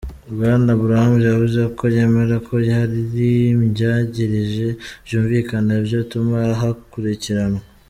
Bwana Abrahams yavuze ko yemera ko hari ivyagiriji vyumvikana, vyotuma akurikiranwa.